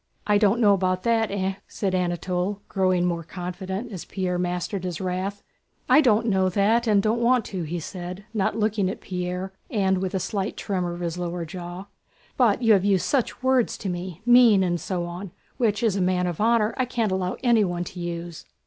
"I don't know about that, eh?" said Anatole, growing more confident as Pierre mastered his wrath. "I don't know that and don't want to," he said, not looking at Pierre and with a slight tremor of his lower jaw, "but you have used such words to me—'mean' and so on—which as a man of honor I can't allow anyone to use."